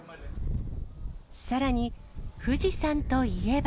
さらに、富士山といえば。